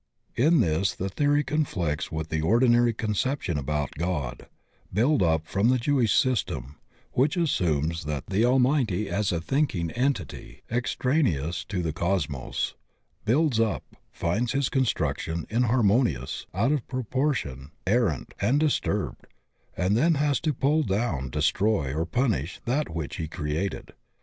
In this the theory conflicts with the ordi nary conception about God, built up from the Jewish system, which assimies that the Almighty as a think ing entity, extraneous to the Cosmos, builds up, finds his construction inharmonious, out of proportion, er rant, and disturbed, and then has to pull down, destroy, or punish that which he created.